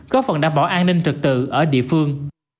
góp phần đảm bảo an ninh trực tự ở địa phương